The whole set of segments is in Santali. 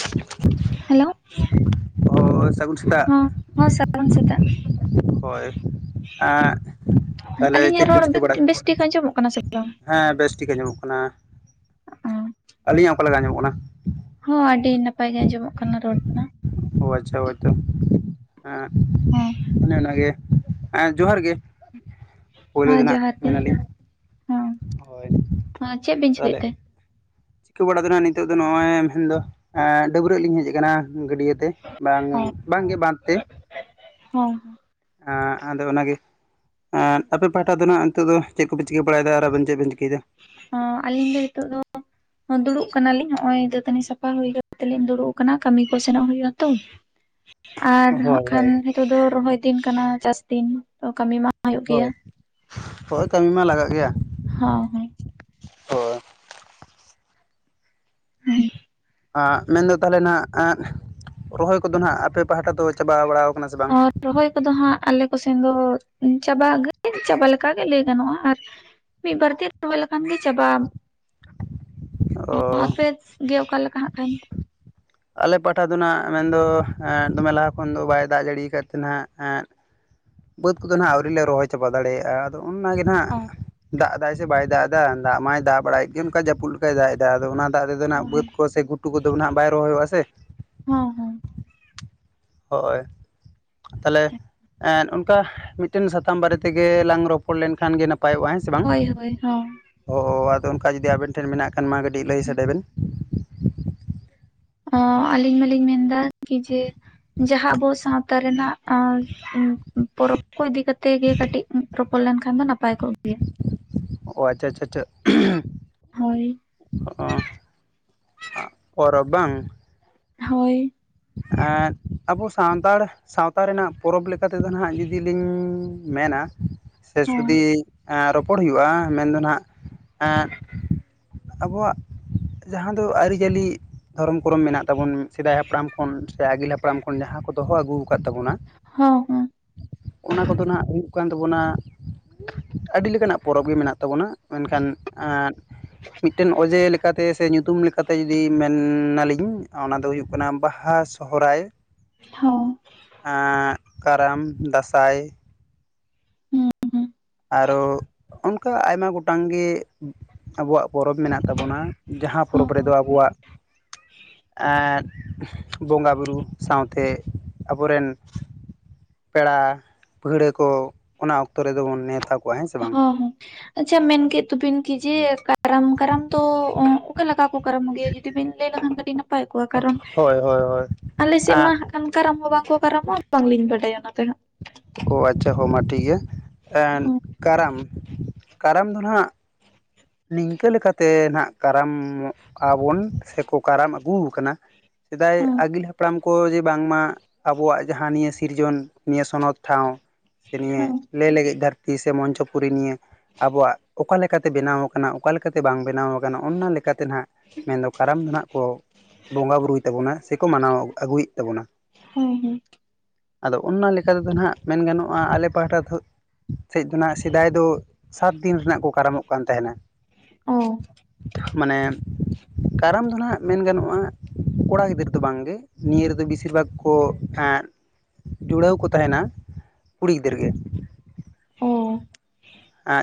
[inaudible] ᱦᱮᱞᱳ ᱦᱚᱭ ᱥᱟᱹᱜᱩᱱ ᱥᱮᱛᱟᱜ ᱦᱚᱸ ᱾ ᱦᱚᱸ ᱥᱟᱹᱜᱩᱱ ᱥᱮᱛᱟᱜ [unintelligible] ᱦᱳᱭ ᱮᱸ ᱟᱹᱞᱤᱧᱟᱜ ᱨᱚᱲ ᱵᱮᱥ ᱴᱷᱤᱠ ᱟᱸᱡᱚᱢᱚᱜ ᱠᱟᱱᱟ ᱥᱮ ᱵᱟᱝ? ᱦᱮᱸ ᱵᱮᱥ ᱴᱷᱤᱠ ᱟᱸᱡᱚᱢᱚᱜ ᱠᱟᱱᱟ ᱾ ᱟᱹᱞᱤᱧᱟᱜ ᱚᱠᱟ ᱞᱮᱠᱟ ᱟᱸᱡᱟᱢᱚᱜ ᱠᱟᱱᱟ? ᱦᱚᱸ ᱟᱹᱰᱤ ᱱᱟᱯᱟᱭ ᱜᱮ ᱟᱸᱡᱚᱢᱚᱜ ᱠᱟᱱᱟ ᱨᱚᱲ ᱛᱟᱢ ᱾ ᱚ ᱟᱪᱪᱷᱟ ᱦᱳᱭᱛᱚ ᱦᱮᱸ ᱦᱚᱸ ᱚᱱᱮ ᱚᱱᱟᱜᱮ ᱾ ᱦᱮᱸ ᱡᱚᱦᱟᱨ ᱜᱮ ᱾ ᱯᱳᱭᱞᱳ ᱦᱚᱸ ᱫᱚ ᱱᱟᱦᱟᱜ ᱡᱚᱦᱟᱨ ᱜᱮ ᱢᱮᱱᱟᱞᱤᱧ ᱦᱚᱸ ᱦᱳᱭ ᱦᱚᱸ ᱪᱮᱫ ᱵᱤᱱ ᱪᱤᱠᱟᱹᱭᱮᱫ ᱛᱟᱦᱞᱮ ᱛᱮ? [unintelligible] ᱪᱮᱫᱟᱹ ᱵᱟᱲᱟ ᱛᱟᱦᱮᱱᱟ ᱱᱤᱛᱚᱜ ᱫᱚ ᱱᱚᱜᱼᱚᱭ ᱢᱮᱱᱫᱚ ᱰᱟᱹᱵᱽᱨᱟᱹᱜ ᱞᱤᱧ ᱦᱮᱡ ᱟᱠᱟᱱᱟ ᱜᱟᱹᱰᱭᱟᱹ ᱛᱮ ᱾ ᱵᱟᱝ ᱵᱟᱝᱜᱮ ᱵᱟᱸᱫ ᱛᱮ ᱦᱚᱸ ᱾ ᱟᱫᱚ ᱚᱱᱟᱜᱮ ᱾ ᱟᱯᱮ ᱯᱟᱴᱟ ᱫᱚ ᱱᱟᱦᱟᱜ ᱱᱤᱛᱚᱜ ᱫᱚ ᱪᱮᱫ ᱠᱚᱯᱮ ᱪᱤᱠᱟᱹ ᱵᱟᱲᱟᱭᱮᱫᱟ ᱟᱨ ᱟᱵᱮᱱ ᱪᱮᱫ ᱵᱮᱱ ᱪᱤᱠᱟᱹᱭᱮᱫᱟ? ᱚ ᱟᱞᱤᱧ ᱫᱚ ᱱᱤᱛᱚᱜ ᱫᱚ ᱫᱩᱲᱩᱵ ᱠᱟᱱᱟᱞᱤᱧ ᱱᱚᱜᱼᱚᱭ ᱫᱟᱹᱛᱟᱹᱱᱤ ᱥᱟᱯᱷᱟ ᱦᱩᱭ ᱠᱟᱛᱮᱞᱤᱧ ᱫᱩᱲᱩᱵ ᱟᱠᱟᱱᱟ ᱠᱟᱹᱢᱤ ᱠᱚ ᱥᱮᱱᱚᱜ ᱦᱩᱭᱩᱜᱼᱟ ᱛᱚ ᱾ [inaudible] ᱟᱨ ᱦᱟᱸᱜ ᱦᱳᱭ ᱠᱷᱟᱱ ᱦᱳᱭ ᱱᱤᱛᱚᱜ ᱫᱚ ᱨᱚᱦᱚᱭ ᱫᱤᱱ ᱠᱟᱱᱟ ᱪᱟᱥ ᱫᱤᱱ ᱠᱟᱹᱢᱤ ᱢᱟ ᱦᱩᱭᱩᱜ ᱜᱮᱭᱟ ᱦᱳᱭ ᱦᱳᱭ ᱠᱟᱹᱢᱤ ᱢᱟ ᱞᱟᱜᱟᱜ ᱜᱮᱭᱟ ᱾ ᱦᱚᱸ ᱦᱮᱸ ᱦᱮᱸ ᱢᱮᱱᱫᱚ ᱛᱟᱦᱚᱞᱮ ᱱᱟᱦᱟᱜ ᱮᱸᱜ ᱨᱚᱦᱚᱭ ᱠᱚᱫᱚ ᱱᱟᱦᱟᱜ ᱟᱯᱮ ᱯᱟᱦᱴᱟ ᱫᱚ ᱪᱟᱵᱟ ᱵᱟᱲᱟᱣ ᱠᱟᱱᱟ ᱥᱮ ᱵᱟᱝ? ᱟᱨ ᱨᱚᱦᱚᱭ ᱠᱚᱫᱚ ᱦᱟᱸᱜ ᱟᱞᱮ ᱠᱚᱥᱮᱱ ᱫᱚ ᱪᱟᱵᱟ ᱪᱟᱵᱟ ᱞᱮᱠᱟᱜᱮ ᱞᱟᱹᱭ ᱜᱟᱱᱚᱜᱼᱟ ᱟᱨ, ᱢᱤᱫ ᱵᱟᱨ ᱛᱤᱨ ᱨᱚᱦᱚᱭ ᱞᱮᱠᱷᱟᱱ ᱜᱮ ᱪᱟᱵᱟᱼᱟ᱾ ᱚ ᱟᱯᱮ ᱜᱮ ᱚᱠᱟᱞᱮᱠᱟ ᱦᱟᱸᱜ ᱠᱷᱟᱱ? ᱟᱞᱮ ᱯᱟᱦᱟᱴᱟ ᱫᱚ ᱱᱟᱸᱜ ᱢᱮᱱᱫᱚ ᱮᱸ ᱫᱚᱢᱮ ᱞᱟᱦᱟ ᱠᱷᱚᱱ ᱫᱚ ᱵᱟᱭ ᱫᱟᱜ ᱡᱟᱹᱲᱤᱭᱟ ᱠᱟᱫ ᱛᱮ ᱱᱟᱦᱟᱜ ᱮᱸ ᱵᱟᱹᱫᱽ ᱠᱚᱫᱚ ᱱᱟᱦᱟᱜ ᱟᱹᱣᱨᱤ ᱞᱮ ᱨᱚᱦᱚᱭ ᱪᱟᱵᱟ ᱫᱟᱲᱮᱭᱟᱜᱼᱟ ᱾ ᱟᱫᱚ ᱚᱱᱟᱜᱮ ᱱᱟᱦᱟᱜ ᱫᱟᱜ ᱫᱟᱜ ᱥᱮ ᱵᱟᱭ ᱫᱟᱜ ᱮᱫᱟ ᱫᱟᱜ ᱢᱟᱭ ᱫᱟᱜ ᱵᱟᱲᱟᱭᱮᱫ ᱜᱮ ᱚᱱᱠᱟ ᱡᱟᱹᱯᱩᱫ ᱞᱮᱠᱟᱭ ᱫᱟᱜ ᱮᱫᱟ ᱟᱫᱚ ᱚᱱᱟ ᱫᱟᱜ ᱨᱮᱫᱚ ᱚ ᱱᱟᱦᱟᱜ ᱵᱟᱹᱫᱽ ᱦᱮᱸ ᱠᱚ ᱥᱮ ᱜᱩᱴ ᱜᱩᱴᱩ ᱠᱚᱫᱚ ᱱᱟᱦᱟᱸᱜ ᱵᱟᱭ ᱨᱚᱦᱚᱭ ᱚᱜ ᱟᱥᱮ᱾ ᱦᱚᱸ ᱦᱚᱸ ᱦᱳᱭ ᱛᱟᱦᱚᱞᱮ ᱮᱸ ᱚᱱᱠᱟ ᱢᱤᱫ ᱴᱮᱱ ᱥᱟᱛᱟᱢ ᱵᱟᱨᱮ ᱛᱮᱜᱮ ᱞᱟᱝ ᱨᱚᱯᱚᱲ ᱞᱮᱱᱠᱷᱟᱱ ᱜᱮ ᱱᱟᱯᱟᱭᱚᱜᱼᱟ ᱦᱮᱸ ᱥᱮ ᱵᱟᱝ? ᱦᱳᱭ ᱦᱳᱭ ᱦᱚᱸ ᱚᱻ ᱟᱫᱚ ᱚᱱᱠᱟ ᱡᱩᱫᱤ ᱟᱵᱮᱱ ᱴᱷᱮᱱ ᱢᱮᱱᱟᱜ ᱠᱷᱟᱱ ᱢᱟ ᱠᱟᱹᱴᱤᱡ ᱞᱟᱹᱭ ᱥᱟᱰᱮ ᱵᱮᱱ? ᱚᱻ ᱟᱞᱤᱧ ᱢᱟᱞᱤᱧ ᱢᱮᱱᱫᱟ ᱠᱤ ᱡᱮ ᱡᱟᱦᱟᱸ ᱟᱵᱚ ᱥᱟᱶᱛᱟ ᱨᱮᱱᱟᱜ ᱟᱸᱻ ᱯᱚᱨᱚᱵᱽ ᱠᱚ ᱤᱫᱤ ᱠᱟᱛᱮᱜ ᱜᱮ ᱠᱟᱹᱴᱤᱡ ᱨᱚᱯᱚᱲ ᱞᱮᱱᱠᱷᱟᱱ ᱫᱚ ᱱᱟᱯᱟᱭ ᱠᱚᱜ ᱜᱮᱭᱟ᱾ ᱚ ᱟᱪᱪᱷᱟ ᱟᱪᱪᱷᱟ ᱟᱪᱷᱟ ᱦᱳᱭ ᱚ ᱟ ᱯᱚᱨᱚᱵ ᱵᱟᱝ ᱦᱳᱭ᱾ ᱮᱸᱻ ᱟᱵᱚ ᱥᱟᱱᱛᱟᱲ ᱥᱟᱶᱛᱟ ᱨᱮᱱᱟᱜ ᱯᱚᱨᱚᱵᱽ ᱞᱮᱠᱟ ᱛᱮᱫᱚ ᱱᱟᱦᱟᱸᱜ ᱡᱩᱫᱤ ᱞᱤᱧ ᱢᱮᱱᱟ᱾ ᱥᱮ ᱦᱚᱸ ᱥᱩᱫᱤ ᱨᱚᱯᱚᱲ ᱦᱩᱭᱩᱜᱼᱟ ᱢᱮᱱᱫᱚ ᱱᱟᱦᱟᱸᱜ ᱮᱸᱻ ᱟᱵᱚ-ᱟᱜ ᱡᱟᱦᱟᱸ ᱫᱚ ᱟᱹᱨᱤᱪᱟᱹᱞᱤ ᱫᱷᱚᱨᱚᱢ ᱠᱚᱨᱚᱢ ᱢᱮᱱᱟᱜ ᱛᱟᱵᱚᱱ ᱥᱮᱫᱟᱭ ᱦᱟᱯᱲᱟᱢ ᱠᱷᱚᱱ ᱥᱮ ᱟᱹᱜᱤᱞ ᱦᱟᱯᱲᱟᱢ ᱠᱷᱚᱱ ᱡᱟᱦᱟᱸ ᱠᱚ ᱫᱚᱦᱚ ᱟᱹᱜᱩ ᱠᱟᱫ ᱛᱟᱵᱚᱱᱟ, ᱦᱳᱸ ᱚᱱᱟ ᱠᱚᱫᱚ ᱱᱟᱸᱜ ᱦᱩᱭᱩᱜ ᱠᱟᱱ ᱛᱟᱵᱚᱱᱟ, ᱟᱹᱰᱤ ᱞᱮᱠᱟᱱᱟᱜ ᱯᱚᱨᱚᱵᱽ ᱜᱮ ᱢᱮᱱᱟᱜ ᱛᱟᱵᱚᱱᱟ ᱢᱮᱱᱠᱷᱟᱱ ᱮᱸᱻ ᱢᱤᱫᱴᱮᱱ ᱚᱡᱮ ᱞᱮᱠᱟᱛᱮ ᱥᱮ ᱧᱩᱛᱩᱢ ᱞᱮᱠᱟᱛᱮ ᱡᱩᱫᱤ ᱢᱮᱱᱟᱞᱤᱧ ᱚᱱᱟ ᱫᱚ ᱦᱩᱭᱩᱜ ᱠᱟᱱᱟ ᱵᱟ ᱵᱟᱦᱟ ᱥᱚᱦᱚᱨᱟᱭ, ᱦᱳᱸ ᱮᱸᱻ ᱠᱟᱨᱟᱢ ᱫᱟᱸᱥᱟᱭ, ᱟᱨᱚ ᱚᱱᱠᱟ ᱟᱭᱢᱟ ᱜᱚᱴᱟᱝ ᱜᱮ ᱟᱵᱚᱣᱟᱜ ᱯᱚᱨᱚᱵᱽ ᱢᱮᱱᱟᱜ ᱛᱟᱵᱚᱱᱟ᱾ ᱡᱟᱦᱟᱸ ᱯᱚᱨᱚᱵᱽ ᱦᱚᱸ ᱨᱮᱫᱚ ᱟᱵᱚᱣᱟᱜ ᱮᱸᱻ ᱵᱚᱸᱜᱟᱼᱵᱩᱨᱩ ᱥᱟᱶᱛᱮ ᱟᱵᱚ ᱨᱮᱱ ᱯᱮᱲᱟ ᱯᱟᱹᱲᱦᱟᱹ ᱠᱚ ᱚᱱᱟ ᱚᱠᱛᱚ ᱨᱮᱫᱚ ᱵᱚᱱ ᱱᱮᱶᱛᱟ ᱠᱚᱣᱟ ᱦᱮᱸ ᱥᱮ ᱵᱟᱝ? ᱦᱚᱸ ᱟᱪᱪᱷᱟ ᱢᱮᱱ ᱠᱮᱫ ᱛᱚᱵᱤᱱ ᱠᱤ ᱡᱮ ᱠᱟᱨᱟᱢ ᱠᱟᱨᱟᱢ ᱫᱚ ᱚᱠᱟ ᱞᱮᱠᱟ ᱠᱚ ᱠᱟᱨᱟᱢ ᱚᱜ ᱜᱮᱭᱟ ᱡᱩᱫᱤ ᱵᱤᱱ ᱞᱟᱹᱭ ᱞᱮᱠᱷᱟᱱ ᱠᱟᱹᱴᱤᱡ ᱱᱟᱯᱟᱭ ᱠᱚᱜᱼᱟ ᱠᱟᱨᱚᱱ ᱦᱳᱭ ᱦᱳᱭ ᱦᱳᱭ ᱟᱞᱮ ᱥᱮᱜ ᱢᱟ ᱠᱷᱟᱱ ᱠᱟᱨᱟᱢ ᱦᱚᱸ ᱵᱟᱝᱠᱚ ᱠᱟᱨᱟᱢᱚᱜ ᱵᱟᱝᱞᱤᱧ ᱵᱟᱰᱟᱭᱟ ᱚᱱᱟ ᱛᱮᱦᱚᱸ᱾ ᱚ ᱟᱪᱪᱷᱟ ᱦᱳ ᱢᱟ ᱴᱷᱤᱠ ᱜᱮᱭᱟ ᱮ ᱦᱚᱸ ᱠᱟᱨᱟᱢ ᱠᱟᱨᱟᱢ ᱫᱚ ᱱᱟᱦᱟᱜ ᱱᱤᱝᱠᱟᱹ ᱞᱮᱠᱟᱛᱮ ᱱᱟᱜ ᱠᱟᱨᱟᱢᱚᱜ ᱟᱵᱚᱱ ᱥᱮᱠᱚ ᱠᱟᱨᱟᱢ ᱟᱹᱜᱩ ᱠᱟᱱᱟ, ᱥᱮᱫᱟᱭ ᱦᱚᱸ ᱟᱹᱜᱤᱞ ᱦᱟᱯᱲᱟᱢ ᱠᱚ ᱡᱮ ᱵᱟᱝᱢᱟ ᱟᱵᱚᱣᱟᱜ ᱡᱟᱦᱟᱸ ᱱᱤᱭᱟᱹ ᱥᱤᱨᱡᱚᱱ ᱱᱤᱭᱟᱹ ᱥᱚᱱᱚᱛ ᱴᱷᱟᱶ, ᱥᱮ ᱱᱤᱭᱟᱹ ᱦᱚᱸ ᱞᱟᱹᱭ ᱞᱟᱹᱜᱤᱫ ᱫᱷᱟᱹᱨᱛᱤ ᱥᱮ ᱢᱚᱧᱪᱚ ᱯᱩᱨᱤ ᱱᱤᱭᱟᱹ ᱟᱵᱚᱣᱟᱜ ᱚᱠᱟ ᱞᱮᱠᱟᱛᱮ ᱵᱮᱱᱟᱣ ᱠᱟᱱᱟ ᱚᱠᱟ ᱞᱮᱠᱟᱛᱮ ᱵᱟᱝ ᱵᱮᱱᱟᱣ ᱟᱠᱟᱱᱟ ᱚᱱᱱᱟ ᱞᱮᱠᱟᱛᱮ ᱱᱟᱦᱟᱸᱜ ᱢᱮᱱᱫᱚ ᱠᱟᱨᱟᱢ ᱫᱚ ᱱᱟᱦᱟᱸᱜ ᱠᱚ ᱵᱚᱸᱜᱟ ᱵᱩᱨᱩᱭ ᱛᱟᱵᱚᱱᱟ ᱥᱮᱠᱚ ᱢᱟᱱᱟᱣ ᱟᱹᱜᱩᱭᱮᱫ ᱛᱟᱵᱚᱱᱟ᱾ ᱦᱮ ᱦᱮᱸ᱾ ᱟᱫᱚ ᱚᱱᱟ ᱞᱮᱠᱟᱛᱮᱫᱚ ᱱᱟᱦᱟᱸᱜ ᱢᱮᱱ ᱜᱟᱱᱚᱜᱼᱟ ᱟᱞᱮ ᱯᱟᱦᱴᱟ ᱫᱚ, ᱥᱮᱡ ᱫᱚ ᱱᱟᱦᱟᱸᱜ ᱥᱮᱫᱟᱭ ᱫᱚ ᱥᱟᱛ ᱫᱤᱱ ᱨᱮᱱᱟᱜ ᱠᱚ ᱠᱟᱨᱟᱢᱚᱜ ᱠᱟᱱ ᱛᱟᱦᱮᱱᱟ᱾ ᱚ ᱢᱟᱱᱮ ᱠᱟᱨᱟᱢ ᱫᱚ ᱱᱟᱦᱟᱸᱜ ᱢᱮᱱ ᱜᱟᱱᱚᱜᱼᱟ ᱼᱼ ᱠᱚᱲᱟ ᱜᱤᱫᱟᱹᱨ ᱫᱚ ᱵᱟᱝᱜᱮ ᱾ ᱱᱤᱭᱟᱹ ᱨᱮᱫᱚ ᱵᱮᱥᱤᱨ ᱵᱷᱟᱜᱽ ᱠᱚ ᱮᱸᱜᱼᱼ ᱡᱩᱲᱟᱹᱣ ᱠᱚ ᱛᱟᱦᱮᱱᱟ ᱠᱩᱲᱤ ᱜᱤᱫᱽᱟᱹᱨ ᱜᱮ ᱾ ᱦᱚᱼᱼ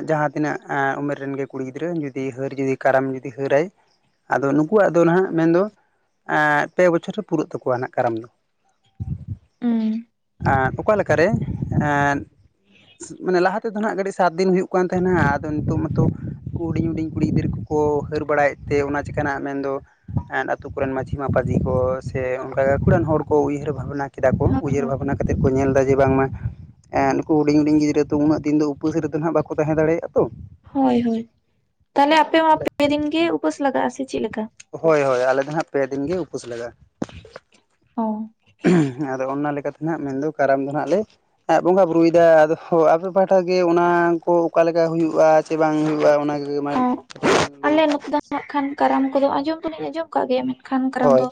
ᱡᱟᱦᱟᱸ ᱛᱤᱱᱟᱹᱜ ᱩᱢᱮᱨ ᱨᱮᱱ ᱜᱮ ᱠᱩᱲᱤ ᱜᱤᱫᱽᱨᱟᱹ, ᱡᱩᱫᱤ ᱦᱟᱹᱨ ᱡᱩᱫᱤ ᱠᱟᱨᱟᱢ ᱡᱩᱫᱤ ᱦᱟᱹᱨᱟᱭ ᱾ ᱟᱫᱚ ᱱᱩᱠᱩᱣᱟᱜ ᱫᱚ ᱱᱟᱦᱟᱜ ᱢᱮᱱᱫᱚ, ᱮᱸ ᱯᱮ ᱵᱚᱪᱷᱚᱨ ᱨᱮ ᱯᱩᱨᱟᱹᱜ ᱛᱟᱠᱚᱣᱟ ᱱᱟᱦᱟᱜ ᱠᱟᱨᱟᱢ ᱫᱚ ᱾ [inaudible] ᱩᱸ ᱼᱼ ᱚᱠᱟ ᱞᱮᱠᱟᱨᱮ ᱮᱸ, ᱢᱟᱱᱮ ᱞᱟᱦᱟ ᱛᱮᱫᱚ ᱱᱟᱦᱟᱸᱜ ᱠᱟᱹᱼᱼ ᱥᱟᱛ ᱫᱤᱱ ᱦᱩᱭᱩᱜ ᱠᱟᱱ ᱛᱟᱦᱮᱱᱟ ᱾ ᱟᱫᱚ ᱱᱤᱛᱚᱜ ᱢᱟᱛᱚ ᱦᱩᱰᱤᱧ ᱦᱩᱰᱤᱧ ᱠᱩᱲᱤ ᱜᱤᱫᱽᱨᱟᱹ ᱠᱚᱠᱚ ᱦᱟᱹᱨ ᱵᱟᱲᱟᱭᱮᱫ ᱼᱼ ᱛᱮ ᱚᱱᱟ ᱪᱤᱠᱟ ᱱᱟᱦᱟᱸᱜ ᱢᱮᱱ ᱫᱚ ᱼᱼ ᱮᱸᱴ ᱟᱛᱩ ᱠᱚᱨᱮᱱ ᱢᱟᱡᱷᱤ ᱢᱟᱯᱟᱡᱤ ᱠᱚ, ᱥᱮ ᱚᱱᱠᱟ ᱜᱟᱠᱷᱩᱲᱟᱱ ᱦᱚᱲ ᱠᱚ ᱩᱭᱦᱟᱹᱨ ᱵᱷᱟᱵᱽᱱᱟ ᱼᱼ ᱠᱮᱫᱟ ᱠᱚ, ᱦᱚᱸ ᱩᱭᱦᱟᱹᱨ ᱦᱚᱸ ᱵᱷᱟᱵᱽᱱᱟ ᱠᱟᱛᱮᱫ ᱠᱚ ᱧᱮᱞ ᱫᱟ ᱡᱮ, ᱵᱟᱝᱢᱟ ᱱᱩᱠᱩ ᱦᱩᱰᱤᱧ ᱦᱩᱰᱤᱧ ᱜᱤᱫᱽᱨᱟᱹ ᱛᱚ ᱩᱱᱟᱹᱜ ᱫᱤᱱ ᱫᱚᱼᱼ ᱩᱯᱟᱹᱥ ᱨᱮᱫᱚ ᱱᱟᱦᱟᱜ ᱵᱟᱠᱚ ᱛᱟᱦᱮᱸ ᱫᱟᱲᱮᱭᱟᱜᱼᱟ ᱛᱚ ᱾ ᱦᱳᱭ ᱦᱳᱭ ᱛᱟᱦᱞᱮ ᱟᱯᱮ ᱦᱚᱸ ᱛᱟᱦᱚᱞᱮ ᱯᱮ ᱫᱤᱱ ᱜᱮ ᱩᱯᱟᱹᱥ ᱞᱟᱜᱟᱜᱼᱟ, ᱥᱮ ᱪᱮᱫ ᱞᱮᱠᱟ? ᱦᱳᱭ ᱦᱳᱭ ᱟᱞᱮ ᱫᱚ ᱦᱟᱸᱜ ᱯᱮ ᱫᱤᱱ ᱜᱮ ᱩᱯᱟᱹᱥ ᱞᱟᱜᱟᱜᱼᱟ᱾ ᱦᱮᱼᱼ ᱟᱫᱚ ᱚᱱᱟ ᱞᱮᱠᱟᱛᱮ ᱫᱚ ᱱᱟᱦᱟᱜ ᱢᱮᱱᱫᱚ ᱠᱟᱨᱟᱢ ᱫᱚ ᱱᱟᱸᱜ ᱞᱮᱼᱼ ᱵᱚᱸᱜᱟ ᱵᱩᱨᱩᱭ ᱫᱟ ᱾ ᱟᱫᱚᱦᱚᱸ ᱟᱯᱮ ᱯᱟᱦᱴᱟ ᱜᱮ ᱚᱱᱟᱠᱚ ᱚᱠᱟ ᱞᱮᱠᱟ ᱦᱩᱭᱩᱜᱼᱟ ᱪᱮ ᱵᱟᱝ ᱦᱩᱭᱩᱜᱼᱟ ᱚᱱᱟᱜᱮ ᱞᱟᱹᱭ ᱢᱮ? ᱚᱸ ᱟᱞᱮ ᱱᱚᱛᱮ ᱫᱚ ᱦᱟᱸᱜ ᱠᱷᱟᱱ ᱠᱟᱨᱟᱢ ᱠᱚᱫᱚ ᱟᱸᱡᱚᱢ ᱫᱚᱞᱤᱧ ᱟᱸᱡᱚᱢ ᱠᱟᱜ ᱜᱮᱭᱟ ᱢᱮᱱᱠᱷᱟᱱᱼᱼ ᱠᱷᱟᱱ ᱠᱟᱨᱟᱢ ᱦᱳᱭ ᱫᱚ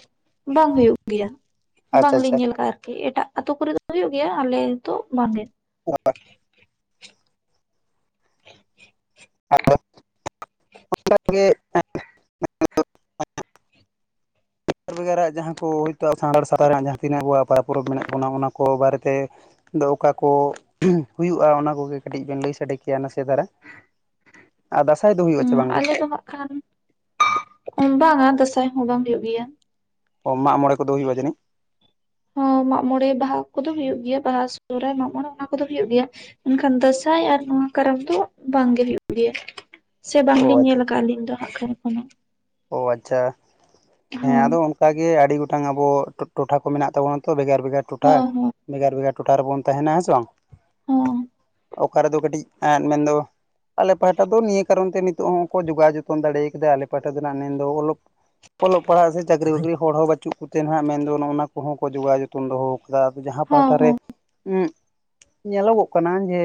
ᱵᱟᱝ ᱦᱩᱭᱩᱜ ᱜᱮᱭᱟ ᱾ ᱟᱪᱪᱷᱟ ᱵᱟᱝᱞᱤᱧ ᱟᱪᱪᱷᱟ ᱧᱮᱞ ᱠᱟᱜᱼᱟ ᱟᱨᱠᱤ, ᱮᱴᱟᱜ ᱟᱛᱩ ᱠᱚᱨᱮᱜ ᱫᱚᱼᱼ ᱦᱩᱭᱩᱜ ᱜᱮᱭᱟ, ᱟᱞᱮ ᱫᱚ ᱵᱟᱝ ᱦᱳᱭᱩᱜᱼᱟ ᱾ ᱚ [unintelligible] ᱼᱼ ᱟᱫᱚ ᱚᱱᱠᱟᱜᱮᱼᱼ ᱵᱷᱟᱨ ᱵᱷᱮᱜᱟᱨᱟᱜ ᱡᱟᱦᱟᱸ ᱠᱚ ᱦᱳᱭᱛᱳ ᱚᱱᱠᱟᱜᱮ ᱟᱨᱚ ᱡᱟᱸᱦᱟ ᱠᱚ ᱦᱳᱭᱛᱳ ᱥᱟᱸᱜᱷᱟᱲ [unintelligible] ᱥᱟᱲᱟᱨᱮ ᱡᱟᱦᱟᱸ ᱛᱤᱱᱟᱹᱜ ᱟᱵᱚᱣᱟᱜ ᱯᱟ ᱯᱚᱨᱚᱵᱽ ᱢᱮᱱᱟᱜ ᱚᱱᱟ ᱚᱱᱟ ᱠᱚ ᱵᱟᱨᱮᱛᱮᱼᱼ ᱫᱚ ᱚᱠᱟ ᱠᱚ ᱦᱩᱭᱩᱜᱼᱟ ᱚᱱᱟ ᱠᱚᱜᱮ ᱠᱟᱹᱴᱤᱡ ᱵᱮᱱ ᱞᱟᱹᱭ ᱥᱟᱰᱮ ᱠᱮᱭᱟ ᱱᱟᱥᱮ ᱫᱷᱟᱨᱟ? ᱟ ᱫᱟᱸᱥᱟᱭ ᱫᱚ ᱦᱩᱭᱩᱜ ᱟᱪᱮ ᱵᱟᱝᱜᱮ? ᱪᱟᱵᱟᱜ ᱠᱷᱟᱱᱼᱼ ᱵᱟᱝᱼᱟ ᱫᱟᱸᱥᱟᱭ ᱦᱚᱸ ᱵᱟᱝ ᱦᱩᱭᱩᱜ ᱜᱮᱭᱟ ᱾ ᱚ ᱢᱟᱜ ᱢᱚᱸᱬᱮ ᱠᱚᱫᱚ ᱦᱩᱭᱩᱜᱼᱟ ᱡᱟᱹᱱᱤᱡ? ᱦᱮᱸ ᱢᱟᱜ ᱢᱚᱬᱮ ᱵᱟᱦᱟ ᱠᱚᱫᱚ ᱦᱩᱭᱩᱜ ᱜᱮᱭᱟ, ᱵᱟᱦᱟ ᱥᱚᱦᱨᱟᱭ ᱢᱟᱜ ᱢᱚᱸᱬᱮ ᱚᱱᱟ ᱠᱚᱫᱚ ᱦᱩᱭᱩᱜ ᱜᱮᱭᱟ᱾ ᱢᱮᱱᱠᱷᱟᱱ ᱫᱟᱸᱥᱟᱭ ᱟᱨ ᱱᱚᱣᱟ ᱠᱟᱨᱟᱢ ᱫᱚ ᱵᱟᱝᱜᱮ ᱦᱩᱭᱩᱜ ᱜᱮᱭᱟ ᱾ ᱥᱮ ᱚ ᱵᱟᱝᱞᱤᱧ ᱧᱮᱞ ᱟᱪᱪᱷᱟ ᱠᱟᱫᱼᱟ, ᱟᱹᱞᱤᱧ ᱫᱚ ᱦᱟᱜ ᱠᱷᱟᱱ ᱚᱱᱟᱼᱼ ᱚ ᱟᱪᱪᱷᱟ ᱦᱮᱸ ᱦᱚᱸ ᱟᱫᱚᱼᱼ ᱚᱱᱠᱟᱜᱮ ᱟᱹᱰᱤ ᱜᱚᱴᱟᱝ ᱟᱵᱚ ᱴᱚᱴᱷᱟ ᱠᱚ ᱢᱮᱱᱟᱜ ᱛᱟᱵᱚᱱᱟ ᱛᱚ, ᱵᱷᱮᱜᱟᱨ ᱵᱷᱮᱜᱟᱨ ᱴᱚᱴᱷᱟ᱾ ᱦᱚᱸ ᱦᱚᱸ ᱵᱷᱮᱜᱟᱨ ᱵᱷᱮᱜᱟᱨ ᱴᱚᱴᱷᱟ ᱨᱮᱵᱚᱱ ᱛᱟᱦᱮᱱᱟ ᱦᱮᱸ ᱥᱮ ᱵᱟᱝ? ᱦᱚᱸᱼᱼ ᱚᱠᱟ ᱨᱮᱫᱚ ᱠᱟᱹᱴᱤᱡ ᱮᱸᱫᱽ ᱢᱮᱱᱫᱚᱼᱼ ᱟᱞᱮ ᱯᱟᱦᱴᱟ ᱫᱚ ᱱᱤᱭᱟᱹ ᱠᱟᱨᱚᱱ ᱛᱮ ᱱᱤᱛᱚᱜ ᱦᱚᱸᱠᱚ ᱡᱚᱜᱟᱣ ᱡᱚᱛᱚᱱ ᱫᱟᱲᱮᱭ ᱠᱟᱫᱟ ᱾ ᱟᱞᱮ ᱯᱟᱦᱴᱟ ᱫᱚ ᱱᱟᱜ ᱢᱮᱱᱫᱚ ᱚᱞᱚᱜᱼᱼ ᱚᱞᱚᱜ ᱯᱟᱲᱦᱟᱜ ᱥᱮ ᱪᱟᱹᱠᱨᱤ ᱵᱟᱹᱠᱨᱤ ᱦᱚᱲ ᱦᱚᱸ ᱵᱟᱪᱩᱜ ᱠᱚᱛᱮ ᱱᱟᱦᱟᱜ ᱢᱮᱱᱫᱚ ᱱᱚᱜᱼᱱᱟ ᱠᱚᱦᱚᱸ ᱠᱚ ᱡᱚᱜᱟᱣ ᱡᱚᱛᱚᱱ ᱫᱚᱦᱚᱣ ᱠᱟᱜᱼᱟ ᱾ ᱚᱱᱠᱟ ᱟᱫᱚ ᱡᱟᱦᱟᱸ ᱦᱚᱸ ᱯᱟᱦᱴᱟᱨᱮ ᱦᱚᱸ ᱩᱸᱦᱼᱼ ᱧᱮᱞᱚᱜᱚᱜ ᱠᱟᱱᱟ ᱡᱮ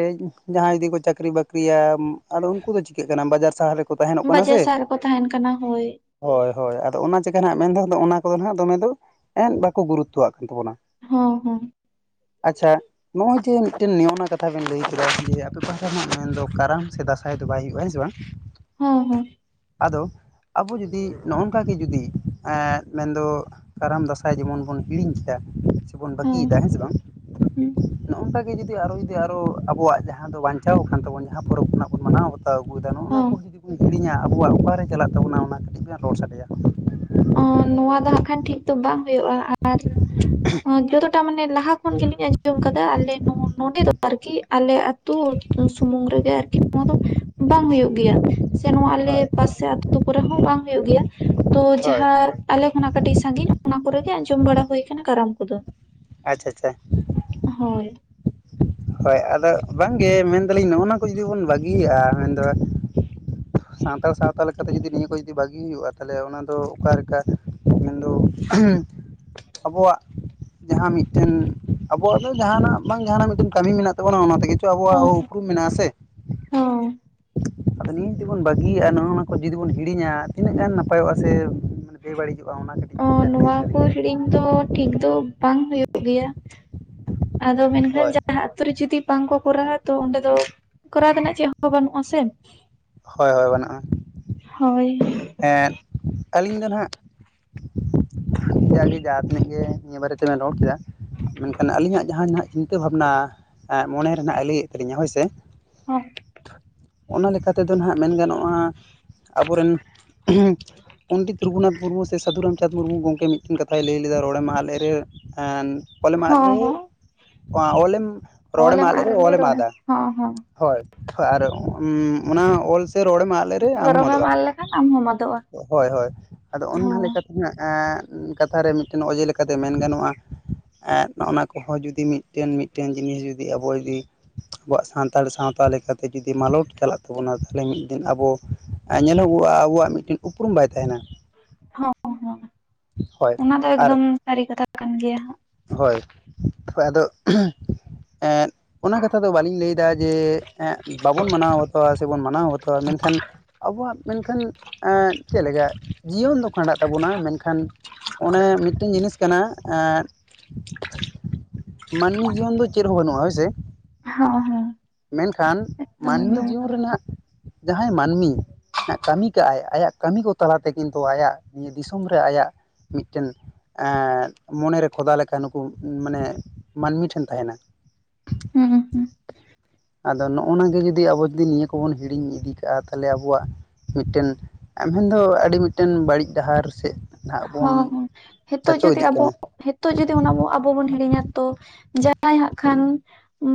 ᱡᱟᱦᱟᱸᱭ ᱡᱩᱫᱤ ᱠᱚ ᱪᱟᱹᱠᱨᱤ ᱵᱟᱹᱠᱨᱤᱭᱟ ᱟᱫᱚ ᱩᱝᱠᱩ ᱫᱚ ᱪᱤᱠᱟᱹᱜ ᱠᱟᱱᱟ ᱵᱟᱡᱟᱨ ᱥᱟᱦᱟ ᱨᱮᱼᱼ ᱵᱟᱡᱟᱨ ᱥᱟᱦᱟ ᱨᱮᱠᱚ ᱛᱟᱦᱮᱱ ᱠᱟᱱᱟ ᱦᱳᱭ ᱾ ᱦᱳᱭ ᱦᱳᱭ ᱟᱫᱚ ᱚᱱᱟ ᱪᱤᱠᱟ ᱱᱟᱜ ᱢᱮᱱ ᱫᱚ ᱚᱱᱟ ᱠᱚᱫᱚ ᱫᱚᱢᱮ ᱫᱚ ᱵᱟᱠᱚ ᱜᱩᱨᱩᱛᱛᱚᱣᱟᱜ ᱠᱟᱱ ᱛᱟᱵᱚᱱᱟ ᱾ ᱦᱚᱸ ᱦᱚᱸᱼᱼ ᱟᱪᱪᱷᱟᱼᱼ ᱱᱚᱜᱼᱚᱭ ᱡᱮ ᱢᱤᱫᱴᱮᱱ ᱱᱤᱭᱚᱱᱟ ᱠᱟᱛᱷᱟ ᱵᱮᱱ ᱞᱟᱹᱭ ᱠᱮᱫᱟ ᱡᱮ ᱟᱯᱮ ᱯᱟᱦᱟ ᱫᱚ ᱦᱟᱜ ᱢᱮᱱᱫᱚ ᱠᱟᱨᱟᱢ ᱥᱮ ᱫᱟᱸᱥᱟᱭ ᱫᱚ ᱵᱟᱭ ᱦᱩᱭᱩᱜᱼᱟ ᱦᱮᱸ ᱥᱮ ᱵᱟᱝ ᱾ [unintelligible] ᱦᱮᱸ ᱦᱮᱸ ᱾ ᱟᱫᱚ ᱟᱵᱚ ᱡᱩᱫᱤ ᱱᱚᱜᱼᱚᱝ ᱠᱟᱜᱮ ᱡᱩᱫᱤ ᱮᱸ ᱢᱮᱱᱫᱚᱼᱼ ᱠᱟᱨᱟᱢ ᱫᱟᱸᱥᱟᱭ ᱡᱮᱢᱚᱱ ᱵᱚᱱ ᱦᱤᱲᱤᱧ ᱠᱮᱫᱟ ᱾ ᱵᱚᱱ ᱵᱟᱹᱜᱤ ᱦᱚᱸ ᱭᱮᱫᱟ ᱦᱮᱸ ᱥᱮ ᱵᱟᱝ ᱱᱚᱜᱼ ᱚᱝᱠᱟ ᱜᱮ ᱡᱩᱫᱤ ᱟᱨᱚᱼᱼ ᱜᱮ ᱟᱨᱚ ᱟᱵᱚᱣᱟᱜ ᱡᱟᱦᱟᱸ ᱫᱚ ᱵᱟᱧᱪᱟᱣ ᱠᱟᱱ ᱛᱟᱵᱚᱱ ᱡᱟᱦᱟᱸ ᱯᱚᱨᱚᱵᱽ ᱠᱷᱚᱱᱟᱜ ᱵᱚᱱ ᱢᱟᱱᱟᱣᱼᱼ ᱦᱟᱛᱟᱣ ᱟᱹᱜᱩᱭᱫᱟ ᱱᱚᱜᱼᱱᱟ ᱦᱚᱸ ᱠᱚ ᱡᱩᱫᱤ ᱵᱚᱱ ᱦᱤᱲᱤᱧᱟᱸ ᱟᱵᱚᱣᱟᱜ ᱚᱠᱟᱨᱮ ᱪᱟᱞᱟᱜ ᱛᱟᱵᱚᱱᱟ ᱚᱱᱟ ᱠᱟᱹᱴᱤᱡ ᱵᱮᱱ ᱨᱚᱲ ᱥᱟᱰᱮᱭᱟ ᱾ ᱟᱸ ᱱᱚᱣᱟ ᱫᱚ ᱦᱟᱸᱜ ᱠᱷᱟᱱ ᱴᱷᱤᱠ ᱫᱚ ᱵᱟᱝ ᱦᱩᱭᱩᱜᱼᱟ ᱟᱨ ᱡᱚᱛᱚᱴᱟ ᱢᱟᱱᱮ ᱞᱟᱦᱟᱼᱼ ᱠᱷᱚᱱ ᱜᱮᱞᱤᱧ ᱟᱸᱡᱚᱢ ᱠᱟᱫᱟ ᱟᱞᱮᱼᱼ ᱱᱚ ᱱᱚᱰᱮ ᱫᱚ ᱟᱨᱠᱤ ᱟᱞᱮ ᱟᱹᱛᱩ ᱥᱩᱢᱩᱝ ᱨᱮᱜᱮ ᱟᱨᱠᱤ ᱱᱚᱣᱟ ᱫᱚᱼᱼ ᱵᱟᱝ ᱦᱩᱭᱩᱜ ᱜᱮᱭᱟ ᱥᱮ ᱱᱚᱣᱟ ᱟᱞᱮ ᱦᱳᱭ ᱯᱟᱥᱮ ᱟᱹᱛᱩ ᱠᱚᱨᱮ ᱦᱚᱸ ᱵᱟᱝ ᱦᱩᱭᱩᱜ ᱜᱮᱭᱟ ᱛᱳᱼᱼ ᱦᱳᱭ ᱦᱟᱸ ᱟᱞᱮ ᱠᱷᱚᱱᱟᱜ ᱠᱟᱹᱴᱤᱡ ᱥᱟᱹᱜᱤᱧ ᱚᱱᱟ ᱠᱚᱨᱮᱜᱮ ᱟᱸᱡᱚᱢ ᱵᱟᱲᱟ ᱦᱩᱭ ᱠᱟᱱᱟ ᱠᱟᱨᱟᱢ ᱠᱚᱫᱚ ᱾ ᱟᱪᱪᱷᱟ ᱟᱪᱪᱷᱟ ᱾ ᱦᱳᱭ ᱾ ᱦᱳᱭ ᱟᱫᱚ ᱵᱟᱝᱜᱮ ᱢᱮᱱᱫᱟᱞᱤᱧ ᱱᱚᱜᱼᱱᱟ ᱠᱚ ᱡᱩᱫᱤ ᱵᱚᱱ ᱵᱟᱹᱜᱤᱭᱟᱜᱼᱟ ᱢᱮᱱᱫᱚᱼᱼ ᱥᱟᱱᱛᱟᱲ ᱥᱟᱶᱛᱟ ᱞᱮᱠᱟ ᱛᱮ ᱡᱩᱫᱤ ᱱᱤᱭᱟᱹ ᱠᱚ ᱡᱩᱫᱤ ᱵᱟᱹᱜᱤ ᱦᱩᱭᱩᱜᱼᱟ ᱛᱟᱦᱞᱮ ᱚᱱᱟ ᱫᱚ ᱚᱠᱟ ᱞᱮᱠᱟ? ᱢᱮᱱᱫᱚ ᱟᱵᱚᱣᱟᱜ ᱡᱟᱦᱟᱸ ᱢᱤᱫᱴᱮᱱ ᱟᱵᱚᱣᱟᱜ ᱫᱚ ᱡᱟᱦᱟᱱᱟᱜ ᱵᱟᱝ ᱡᱟᱦᱟᱱᱟᱜ ᱢᱤᱫᱴᱮᱱ ᱠᱟᱹᱢᱤ ᱢᱮᱱᱟᱜ ᱛᱟᱵᱚᱱᱟ ᱚᱱᱟ ᱛᱮᱜᱮ ᱪᱚ ᱟᱵᱚᱣᱟᱜ ᱩᱯᱨᱩᱢ ᱢᱮᱱᱟᱜᱼᱟ ᱥᱮ? ᱦᱩᱸ᱾ ᱟᱫᱚ ᱱᱤᱭᱟᱹ ᱡᱩᱫᱤ ᱵᱚᱱ ᱵᱟᱹᱜᱤᱭᱟᱜᱼᱟ ᱱᱚᱜᱼᱚ ᱱᱚᱣᱟ ᱠᱚ ᱡᱩᱫᱤ ᱵᱚᱱ ᱦᱤᱲᱤᱧᱟ ᱛᱤᱱᱟᱹᱜ ᱜᱟᱱ ᱱᱟᱯᱟᱭᱚᱜᱼᱟ ᱥᱮ ᱵᱮ ᱵᱟᱹᱲᱤᱡᱚᱜᱼᱟ ᱚᱱᱟ ᱠᱟᱴᱤᱡ ᱾ ᱚ ᱱᱚᱶᱟ ᱠᱚ ᱦᱤᱲᱤᱧ ᱫᱚ ᱴᱷᱤᱠ ᱫᱚ ᱵᱟᱝ ᱦᱩᱭᱩᱜ ᱜᱮᱭᱟ᱾ ᱟᱫᱚ ᱢᱮᱱᱠᱷᱟᱱ ᱦᱳᱭ ᱡᱟᱦᱟᱸ ᱟᱛᱳ ᱨᱮ ᱡᱩᱫᱤ ᱵᱟᱝ ᱠᱚ ᱠᱚᱨᱟᱣᱟ ᱛᱚ ᱚᱸᱰᱮ ᱫᱚ ᱠᱚᱨᱟᱣ ᱛᱮᱱᱟᱜ ᱪᱮᱫ ᱦᱚᱸ ᱵᱟᱱᱩᱜᱼᱟ ᱥᱮ᱾ ᱦᱳᱭ ᱦᱳᱭ ᱵᱟᱱᱩᱜᱼᱟ᱾ ᱦᱳᱭ ᱾ ᱮᱸᱫ ᱟᱹᱞᱤᱧ ᱫᱚ ᱱᱟᱦᱟᱜ ᱡᱟᱜᱮ ᱡᱟᱦᱟ‌ ᱛᱤᱱᱟᱹᱜ ᱜᱮ ᱱᱤᱭᱟᱹ ᱵᱟᱨᱮ ᱛᱮᱵᱮᱱ ᱨᱚᱲ ᱠᱮᱫᱟ᱾ ᱢᱮᱱᱠᱷᱟᱱ ᱟᱹᱞᱤᱧᱟᱜ ᱡᱟᱦᱟ ᱱᱟᱦᱟᱜ ᱪᱤᱱᱛᱟᱹ ᱵᱷᱟᱵᱱᱟ ᱮ ᱢᱚᱱᱮ ᱨᱮᱱᱟᱜᱼᱮ ᱞᱟᱹᱭᱮᱫ ᱛᱟᱹᱞᱤᱧᱟ ᱦᱳᱭᱥᱮ [unintelligible] ᱚᱱᱟ ᱞᱮᱠᱟ ᱛᱮᱫᱚ ᱱᱟᱦᱟᱜ ᱢᱮᱱ ᱜᱟᱱᱚᱜᱼᱟ ᱟᱵᱚᱨᱮᱱ ᱯᱚᱱᱰᱤᱛ ᱨᱚᱜᱷᱩᱱᱟᱛᱷ ᱢᱩᱨᱢᱩ ᱥᱮ ᱥᱟᱹᱫᱷᱩ ᱨᱟᱢᱪᱟᱸᱫᱽ ᱢᱩᱨᱢᱩ ᱜᱚᱢᱠᱮ ᱢᱤᱫᱴᱮᱱ ᱠᱟᱛᱷᱟᱭ ᱞᱟᱹᱭ ᱞᱮᱫᱟ ᱨᱚᱲᱮᱢ ᱟᱫ ᱞᱮᱨᱮ ᱮᱱ ᱚᱞᱮᱢ ᱟᱫ ᱨᱮ ᱦᱚᱸ ᱦᱚᱸ ᱵᱟ ᱚᱞᱮᱢ ᱨᱚᱲᱮᱢ ᱚᱞᱮᱢ ᱟᱫ ᱞᱮᱨᱮ ᱨᱮᱞᱮ ᱚᱞᱮᱢ ᱨᱚᱲᱟ ᱟᱫᱟ᱾ ᱦᱚᱸ ᱦᱚᱸ ᱦᱳᱭ ᱦᱳᱭ ᱟᱨ ᱚᱱᱟ ᱚᱞ ᱥᱮ ᱨᱚᱲᱮᱢ ᱟᱫ ᱞᱮᱨᱮ ᱟᱢᱦᱚᱢ ᱫᱷᱚᱨᱚᱢᱮᱢ ᱟᱫᱚᱜᱼᱟ ᱟᱫ ᱞᱮᱠᱷᱟᱱ ᱟᱢ ᱦᱚᱢ ᱟᱫ ᱾ ᱦᱳᱭ ᱦᱳᱭ ᱟᱫᱚ ᱚᱱᱦᱟ ᱞᱮᱠᱟᱛᱮ ᱦᱮ ᱮᱸ ᱠᱟᱛᱷᱟᱨᱮ ᱢᱤᱫᱴᱮᱱ ᱚᱡᱮ ᱞᱮᱠᱟᱛᱮ ᱢᱮᱱ ᱜᱟᱱᱚᱜᱼᱟ ᱾ ᱮᱫ ᱱᱚᱜᱱᱟ ᱠᱚᱦᱚᱸ ᱡᱩᱫᱤ ᱢᱤᱫᱴᱮᱱ ᱢᱤᱫᱴᱮᱱ ᱡᱤᱱᱤᱥ ᱡᱩᱫᱤ ᱟᱵᱚ ᱡᱩᱫᱤ ᱟᱵᱚᱣᱟᱜ ᱥᱟᱱᱛᱟᱲ ᱥᱟᱶᱛᱟ ᱞᱮᱠᱟᱛᱮ ᱡᱩᱫᱤ ᱢᱟᱞᱚᱴ ᱪᱟᱞᱟᱜ ᱛᱟᱵᱚᱱᱟ ᱛᱟᱦᱚᱞᱮ ᱢᱤᱫ ᱫᱤᱱ ᱟᱵᱚ ᱧᱮᱞᱚᱜᱚᱜᱼᱟ ᱟᱵᱚᱣᱟᱜ ᱢᱤᱫᱴᱮᱱ ᱩᱯᱨᱩᱢ ᱵᱟᱭ ᱛᱟᱦᱮᱱᱟ᱾ ᱦᱚᱸ ᱦᱳᱭ ᱚᱱᱟ ᱫᱚ ᱟᱨ ᱮᱠᱫᱚᱢ ᱥᱟᱹᱨᱤ ᱠᱟᱛᱷᱟ ᱠᱟᱱ ᱜᱮᱭᱟ ᱦᱟᱜ᱾ ᱦᱳᱭ ᱦᱳᱭ ᱟᱫᱚ ᱮᱫ ᱚᱱᱟ ᱠᱟᱛᱷᱟ ᱫᱚ ᱵᱟᱹᱞᱤᱧ ᱞᱟᱹᱭᱮᱫᱟ ᱡᱮ ᱵᱟᱵᱚᱱ ᱢᱟᱱᱟᱣ ᱵᱟᱛᱟᱣᱟ ᱥᱮᱵᱚᱱ ᱢᱟᱱᱟᱣ ᱵᱟᱛᱟᱣᱟ ᱢᱮᱱᱠᱷᱟᱱ ᱟᱵᱚᱣᱟᱜ ᱢᱮᱱᱠᱷᱟᱱ, ᱮᱜ ᱪᱮᱫ ᱞᱮᱠᱟ᱾ ᱡᱤᱭᱚᱱ ᱫᱚ ᱠᱷᱟᱸᱰᱟᱜ ᱛᱟᱵᱚᱱᱟ᱾ ᱢᱮᱱᱠᱷᱟᱱ ᱚᱱᱮ ᱢᱤᱫᱴᱮᱱ ᱡᱤᱱᱤᱥ ᱠᱟᱱᱟ᱾ ᱮᱸᱻ᱾ ᱢᱟᱹᱱᱢᱤ ᱡᱤᱭᱚᱱ ᱫᱚ ᱪᱮᱫ ᱦᱚᱸ ᱵᱟᱹᱱᱩᱜ-ᱟ ᱦᱳᱭ ᱥᱮ᱾ ᱦᱚᱸ ᱦᱮᱸ᱾ ᱢᱮᱱᱠᱷᱟᱱ ᱢᱟᱹᱱᱢᱤ ᱡᱤᱭᱚᱱ ᱨᱮᱱᱟᱜ, ᱡᱟᱦᱟᱸᱭ ᱢᱟᱹᱱᱢᱤ᱾ ᱠᱟᱹᱢᱤ ᱠᱟᱜ-ᱟᱭ ᱟᱭᱟᱜ ᱠᱟᱹᱢᱤ ᱠᱚ ᱛᱟᱞᱟᱛᱮ ᱠᱤᱱᱛᱩ ᱟᱭᱟᱜ ᱱᱤᱭᱟᱹ ᱫᱤᱥᱚᱢ ᱨᱮ ᱟᱭᱟᱜ ᱢᱤᱫᱴᱮᱱ ᱮᱫᱻ ᱢᱚᱱᱮ ᱨᱮ᱾ ᱠᱷᱚᱫᱟ ᱞᱮᱠᱟ ᱱᱩᱠᱩ, ᱢᱟᱱᱮ ᱢᱟᱹᱱᱢᱤ ᱴᱷᱮᱱ ᱛᱟᱦᱮᱸᱱᱟ᱾ ᱦᱟᱸᱜ ᱦᱩᱸ ᱦᱩᱸ ᱟᱫᱚ ᱱᱚᱜ-ᱚ ᱱᱟ ᱜᱮ ᱡᱩᱫᱤ ᱟᱵᱚ ᱡᱩᱫᱤ ᱱᱤᱭᱟᱹ ᱠᱚᱵᱚᱱ ᱦᱤᱲᱤᱧ ᱤᱫᱤ ᱠᱟᱜ-ᱟ ᱛᱟᱦᱚᱸᱞᱮ ᱟᱵᱚᱣᱟᱜ ᱢᱤᱫᱴᱮᱱ ᱟᱹᱵᱤᱱ ᱫᱚ ᱟᱹᱰᱤ ᱢᱤᱫᱴᱮᱱ ᱵᱟᱹᱲᱤᱡ ᱰᱟᱦᱟᱨ ᱥᱮᱫ ᱱᱟᱦᱟᱜ ᱵᱚᱱ ᱦᱚᱸ ᱦᱚᱸ, ᱦᱮᱛᱳᱜ ᱪᱟᱪᱳ ᱡᱩᱫᱤ ᱤᱫᱤᱜ ᱟᱵᱚ᱾ ᱠᱟᱱᱟ ᱦᱤᱛᱚᱜ ᱡᱩᱫᱤ ᱚᱱᱟ ᱵᱚ ᱟᱵᱚ ᱵᱚᱱ ᱦᱤᱲᱤᱧᱟ ᱛᱚ, ᱡᱟᱭ ᱦᱟᱸᱜ ᱠᱷᱟᱱ᱾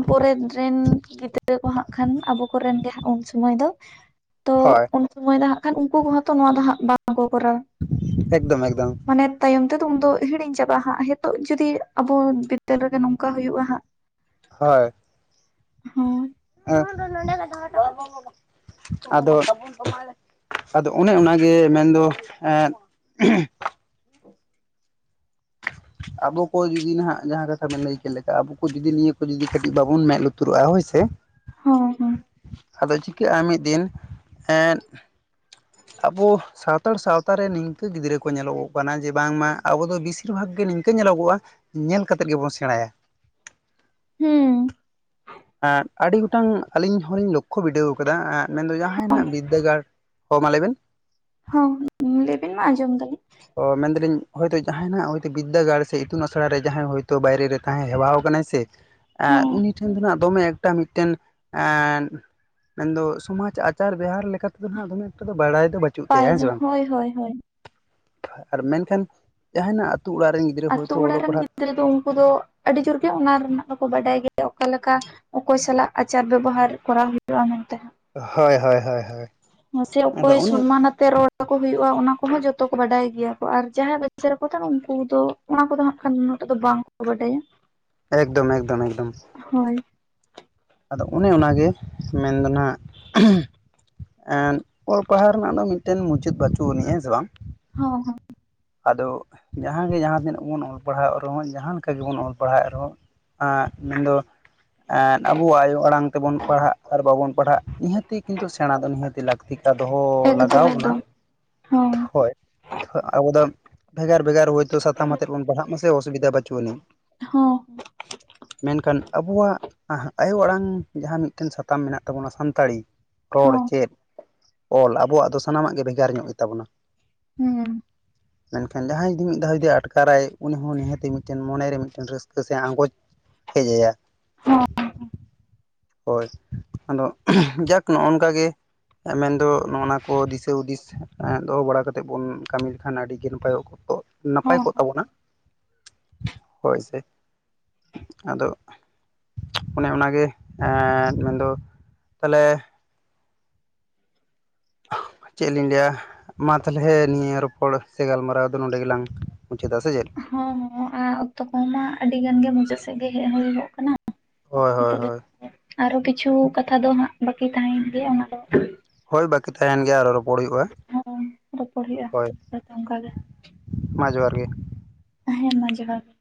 ᱯᱚᱨᱮᱫ ᱨᱮᱱ ᱜᱤᱫᱽᱨᱟᱹ ᱠᱚ ᱦᱟᱸᱜ ᱠᱷᱟᱱ ᱟᱵᱚ ᱠᱚᱨᱮᱱ ᱜᱮ ᱦᱟᱸᱜ ᱩᱱ ᱥᱚᱢᱚᱭ ᱫᱚ᱾ ᱛᱚ ᱦᱳᱭ ᱩᱱᱥᱩᱢᱚᱭ ᱫᱚ ᱦᱟᱸᱜ ᱠᱷᱟᱱ ᱩᱱᱠᱩ ᱠᱚᱦᱚᱸ ᱛᱚ ᱱᱚᱣᱟ ᱫᱚ ᱦᱟᱸᱜ ᱵᱟᱝᱠᱚ ᱠᱚᱨᱟᱣᱟ᱾ ᱮᱠᱫᱚᱢ ᱮᱠᱫᱚᱢ᱾ ᱢᱟᱱᱮ ᱛᱟᱭᱚᱢ ᱛᱮᱫᱚ ᱩᱱ ᱫᱚ ᱦᱤᱲᱤᱧ ᱪᱟᱵᱟᱜ-ᱟ ᱦᱟᱸᱜ᱾ ᱦᱤᱛᱳᱜ ᱡᱩᱫᱤ ᱟᱵᱚ ᱵᱤᱫᱽᱫᱟᱹᱞ ᱨᱮᱜᱮ ᱱᱚᱝᱠᱟ ᱦᱩᱭᱩᱜ-ᱟ ᱦᱟᱸᱜ᱾ ᱦᱳᱭ᱾ ᱦᱩᱸ᱾ [unintelligible] ᱟᱫᱚ᱾ ᱟᱫᱚ ᱚᱱᱮ ᱚᱱᱟᱜᱮ ᱢᱮᱱᱫᱚ ᱮᱸᱫ ᱟᱵᱚ ᱠᱚ ᱡᱩᱫᱤ ᱱᱟᱦᱟᱸᱜ ᱡᱟᱦᱟᱸ ᱠᱟᱛᱷᱟ ᱵᱮᱱ ᱞᱟᱹᱭ ᱠᱮᱫ ᱞᱮᱠᱟ᱾ ᱟᱵᱚ ᱠᱚ ᱡᱩᱫᱤ ᱱᱤᱭᱟᱹ ᱠᱚ ᱡᱩᱫᱤ ᱠᱟᱹᱴᱤᱡ ᱵᱟᱵᱚᱱ ᱢᱮᱫ ᱞᱩ ᱛᱩᱨᱟᱜ-ᱟ ᱦᱳᱭ ᱥᱮ ᱦᱩᱸ ᱦᱩᱸ ᱟᱫᱚ ᱪᱤᱠᱟᱹᱜ-ᱟ ᱢᱤᱫ ᱫᱤᱱ᱾ ᱮᱸᱫ ᱟᱵᱚ ᱥᱟᱣᱛᱟᱲ ᱥᱟᱶᱛᱟᱨᱮ ᱱᱤᱝᱠᱟᱹ ᱜᱤᱫᱽᱨᱟᱹ ᱠᱚ ᱧᱮᱞᱚᱜᱚᱜ ᱠᱟᱱᱟ ᱡᱮ ᱵᱟᱝᱢᱟ ᱟᱵᱚ ᱵᱮᱥᱤᱨ ᱵᱷᱟᱜᱽ ᱜᱮ ᱱᱤᱝᱠᱟᱹ ᱧᱮᱞᱚᱜᱚᱜ-ᱟ ᱧᱮᱞ ᱠᱟᱛᱮᱫ ᱜᱮᱵᱚᱱ ᱥᱮᱬᱟᱭᱟ᱾ ᱦᱩᱸ ᱾ ᱮᱸᱜ ᱟᱹᱰᱤ ᱜᱚᱴᱟᱝ ᱟᱹᱞᱤᱧ ᱦᱚᱸᱞᱤᱧ ᱞᱚᱠᱠᱷᱚ ᱵᱤᱰᱟᱹᱣ ᱟᱠᱟᱫᱟ᱾ ᱮᱸᱜ ᱢᱮᱱᱫᱚ ᱡᱟᱦᱟᱸᱭ ᱱᱟᱜ ᱵᱤᱫᱽᱫᱟᱹᱜᱟᱲ ᱦᱚᱸ ᱢᱟ ᱞᱟᱹᱭ ᱵᱮᱱ ᱦᱚᱸ ᱞᱟᱹᱭ ᱵᱤᱱ ᱢᱟ ᱟᱸᱡᱚᱢ ᱫᱟᱹᱞᱤᱧ ᱚ ᱢᱮᱱᱫᱟᱞᱤᱧ ᱦᱚᱭᱛᱚ ᱡᱟᱸᱦᱟᱭ ᱱᱟᱦᱟᱸᱜ ᱵᱤᱫᱽᱫᱟᱹᱜᱟᱲ ᱥᱮ ᱤᱛᱩᱱ ᱟᱥᱲᱟ ᱨᱮ ᱡᱟᱦᱟᱸᱭ ᱦᱳᱭᱛᱚ ᱵᱟᱭᱨᱮ ᱨᱮ ᱛᱟᱦᱮᱸ ᱦᱮᱣᱟᱣ ᱟᱠᱟᱱᱟᱭ ᱥᱮ ᱮ, ᱦᱚᱸ ᱩᱱᱤ ᱴᱷᱮᱱ ᱫᱚ ᱱᱟᱜ ᱫᱚᱢᱮ ᱮᱠᱴᱟ ᱢᱤᱫᱴᱮᱱ ᱮᱸᱫ ᱢᱮᱱᱫᱚ ᱥᱚᱢᱟᱡᱽ ᱟᱪᱟᱨ ᱵᱮᱣᱦᱟᱨ ᱞᱮᱠᱟᱛᱮ ᱫᱚ ᱦᱟᱸᱜ ᱫᱚᱢᱮ ᱮᱠᱴᱟ ᱫᱚ ᱵᱟᱲᱟᱭ ᱫᱚ ᱵᱟᱪ ᱯᱟᱭ ᱫᱚ ᱦᱳᱭ ᱦᱳᱭ ᱦᱳᱭ ᱟᱨ ᱢᱮᱱᱠᱷᱟᱱ, ᱡᱟᱦᱟᱸᱭ ᱱᱟᱜ ᱟᱛᱳ ᱚᱲᱟᱜ ᱨᱮᱱᱤᱡ᱾ ᱟᱛᱳ ᱚᱲᱟᱜ ᱨᱮᱱ ᱜᱤᱫᱽᱨᱟᱹ ᱫᱚ ᱩᱱᱠᱩ ᱫᱚ ᱟᱹᱰᱤ ᱡᱳᱨ ᱜᱮ ᱚᱱᱟ ᱨᱮᱱᱟᱜ ᱫᱚᱠᱚ ᱵᱟᱰᱟᱭ ᱜᱮᱭᱟ᱾ ᱚᱠᱟᱞᱮᱠᱟ ᱚᱠᱚᱭ ᱥᱟᱞᱟᱜ ᱟᱪᱟᱨ ᱵᱮᱵᱚᱦᱟᱨ ᱠᱚᱨᱟᱣ ᱦᱳᱭᱩᱜ-ᱟ ᱢᱮᱱᱛᱮ ᱦᱟᱸᱜ ᱦᱳᱭ ᱦᱳᱭ ᱦᱳᱭ ᱦᱳᱭ᱾ ᱢᱟᱥᱮ ᱟᱫᱚ ᱚᱠᱚᱭ ᱚᱱᱮ ᱥᱚᱱᱢᱟᱱ ᱟᱛ ᱛᱮ ᱨᱚᱲ ᱟᱠᱚ ᱦᱩᱭᱩᱜ-ᱟ ᱚᱱᱟ ᱠᱚᱦᱚᱸ ᱡᱚᱛᱚ ᱠᱚ ᱵᱟᱰᱟᱭ ᱜᱮᱭᱟ ᱠᱚ᱾ ᱟᱨ ᱡᱟᱦᱟᱸᱭ ᱨᱮᱠᱪᱟᱨ ᱨᱮᱠᱚ ᱛᱟᱦᱮᱸᱱᱟ ᱩᱱᱠᱩ ᱫᱚ ᱚᱱᱟ ᱠᱚᱫᱚ ᱦᱟᱸᱜ ᱠᱷᱟᱱ ᱩᱱᱟᱹᱜ ᱴᱟ ᱫᱚ ᱵᱟᱝᱠᱚ ᱵᱟᱰᱟᱭᱟ ᱾ ᱮᱠᱫᱚᱢ ᱮᱠᱫᱚᱢ ᱮᱠᱫᱚᱢ᱾ ᱦᱳᱭ᱾ ᱟᱫᱚ ᱚᱱᱮ ᱚᱱᱟᱜᱮ, ᱢᱮᱱᱫᱚ ᱱᱟᱦᱟᱸᱜ ᱮᱸᱫ ᱚᱜ ᱯᱟᱲᱦᱟᱣ ᱨᱮᱱᱟᱜ ᱫᱚ ᱢᱤᱫᱴᱮᱱ ᱢᱩᱪᱟᱹᱫ ᱵᱟᱪᱩᱜ ᱟᱹᱱᱤᱡ ᱦᱮᱸ ᱥᱮ ᱵᱟᱝ? ᱦᱚᱸ ᱦᱚ ᱾‌ ᱟᱫᱚ ᱡᱟᱦᱟᱸ ᱜᱮ ᱡᱟᱦᱟᱸ ᱛᱤᱱᱟᱹᱜ ᱵᱚᱱ ᱚᱞ ᱯᱟᱲᱦᱟᱣ ᱮᱫ ᱨᱮᱦᱚᱸ ᱡᱟᱦᱟᱸ ᱞᱮᱠᱟ ᱜᱮᱵᱚᱱ ᱚᱞ ᱯᱟᱲᱦᱟᱣᱮᱫ ᱨᱮᱦᱚᱸ ᱮᱸᱫ ᱢᱮᱱᱫᱚ ᱮᱸᱫ ᱟᱵᱚᱣᱟᱜ ᱟᱭᱳ ᱟᱲᱟᱝ ᱛᱮᱵᱚᱱ ᱯᱟᱲᱦᱟᱜ ᱟᱨ ᱵᱟᱵᱚᱱ ᱯᱟᱲᱦᱟᱜ ᱱᱤᱦᱟᱹᱛᱤ ᱠᱤᱱᱛᱩ ᱥᱮᱬᱟ ᱫᱚ ᱱᱤᱦᱟᱹᱛᱤ ᱞᱟᱹᱠᱛᱤ ᱫᱚᱦᱚ ᱮᱠᱫᱚᱢ ᱞᱟᱜᱟᱣ ᱵᱚᱱᱟ ᱮᱠᱫᱚᱢ ᱦᱚᱸ ᱦᱳᱭ ᱾ ᱟᱵᱚ ᱫᱚ ᱵᱷᱮᱜᱟᱨ ᱵᱷᱮᱜᱟᱨ ᱦᱩᱭ ᱛᱚ ᱥᱟᱛᱟᱢ ᱟᱛᱮᱫ ᱵᱚᱱ ᱯᱟᱲᱦᱟᱜ ᱢᱟᱥᱮ ᱚᱥᱩᱵᱤᱫᱷᱟ ᱵᱟᱹᱪᱩᱜ ᱟᱹᱱᱤᱡ ᱾ ᱦᱚᱸ ᱢᱮᱱᱠᱷᱟᱱ ᱟᱵᱚᱣᱟᱜ ᱟᱸᱦᱟᱜ ᱟᱭᱳ ᱟᱲᱟᱝ ᱡᱟᱦᱟᱸ ᱢᱤᱫᱴᱮᱱ ᱥᱟᱛᱟᱢ ᱢᱮᱱᱟᱜ ᱛᱟᱵᱚᱱᱟ ᱥᱟᱱᱛᱟᱲᱤ ᱨᱚᱲ ᱦᱚᱸ ᱪᱮᱫ ᱚᱞ ᱟᱵᱚᱣᱟᱜ ᱫᱚ ᱥᱟᱱᱟᱢᱟᱜ ᱜᱮ ᱵᱷᱮᱜᱟᱨ ᱧᱚᱜ ᱜᱮᱛᱟᱵᱚᱱᱟ ᱾ ᱦᱩᱸ ᱾ ᱢᱮᱱᱠᱷᱟᱱ ᱡᱟᱦᱟᱸᱭ ᱡᱩᱫᱤ ᱢᱤᱫ ᱫᱷᱟᱣ ᱡᱩᱫᱤ ᱟᱴᱠᱟᱨᱟᱭ ᱩᱱᱤ ᱦᱚᱸ ᱱᱤᱦᱟᱹᱛᱤ ᱢᱤᱫᱮᱱ ᱢᱚᱱᱮᱨᱮ ᱢᱤᱫᱴᱮᱱ ᱨᱟᱹᱥᱠᱟᱹ ᱥᱮ ᱟᱸᱜᱚᱪ ᱦᱮᱡ ᱟᱭᱟ ᱾ ᱦᱚᱸ ᱦᱳᱭ ᱟᱫᱚ ᱡᱟᱠ ᱱᱚᱜᱼᱚ ᱱᱚᱝᱠᱟ ᱜᱮ ᱢᱮᱱᱫᱚ ᱱᱚᱜᱼ ᱱᱟ ᱠᱚ ᱫᱤᱥᱟᱹ ᱦᱩᱫᱤᱥ ᱮᱸ ᱫᱚᱦᱚ ᱵᱟᱲᱟ ᱠᱟᱛᱮᱫ ᱵᱚᱱ ᱠᱟᱹᱢᱤ ᱞᱮᱠᱷᱟᱱ ᱟᱹᱰᱤ ᱜᱮ ᱱᱟᱯᱟᱭᱚᱜ ᱠᱚᱜ, ᱱᱟᱯᱟᱭ ᱦᱚᱸ ᱠᱚᱜ ᱛᱟᱵᱚᱱᱟ ᱾ ᱦᱳᱭ ᱥᱮ ᱟᱫᱚ ᱚᱱᱮ ᱚᱱᱟᱜᱮ ᱮᱸᱫ ᱢᱮᱱᱫᱚ ᱛᱟᱦᱞᱮ ᱪᱮᱫ ᱞᱤᱧ ᱞᱟᱹᱭᱟ ᱢᱟ ᱛᱟᱦᱞᱮ ᱱᱤᱭᱟᱹ ᱨᱚᱯᱚᱲ ᱥᱮ ᱜᱟᱞᱢᱟᱨᱟᱣ ᱫᱚ ᱱᱚᱰᱮ ᱜᱮᱞᱟᱝ ᱢᱩᱪᱟᱹᱫᱟ ᱥᱮ ᱪᱮᱫ? ᱦᱚᱸ ᱦᱚᱸ ᱟᱸ ᱚᱠᱛᱚ ᱠᱚᱦᱚᱸ ᱢᱟ ᱟᱹᱰᱤ ᱜᱟᱱ ᱜᱮ ᱢᱩᱪᱟᱹᱫ ᱥᱮᱫ ᱜᱮ ᱦᱮᱡ ᱦᱩᱭᱩᱜᱚᱜ ᱠᱟᱱᱟ ᱦᱳᱭ ᱾ ᱦᱳᱭ ᱱᱤᱛᱚᱜ ᱫᱚ ᱦᱳᱭ ᱟᱨᱚ ᱠᱤᱪᱷᱩ ᱠᱟᱛᱷᱟ ᱫᱚ ᱦᱟᱸᱜ ᱵᱟᱹᱠᱤ ᱛᱟᱦᱮᱱ ᱜᱮᱭᱟ ᱚᱱᱟ ᱫᱚ ᱦᱳᱭ ᱵᱟᱹᱠᱤ ᱛᱟᱦᱮᱱ ᱜᱮᱭᱟ ᱟᱨᱚ ᱨᱚᱯᱚᱲ ᱦᱩᱭᱩᱜᱼᱟ ᱦᱚᱸ ᱨᱚᱯᱚᱲ ᱦᱩᱭᱩᱜᱼᱟ ᱦᱳᱭ᱾ ᱦᱟᱸᱜ ᱚᱱᱠᱟ ᱜᱮ ᱢᱟ ᱡᱚᱦᱟᱨ ᱜᱮ᱾ ᱦᱮᱸ ᱢᱟ ᱡᱚᱦᱟᱨ ᱜᱮ ᱾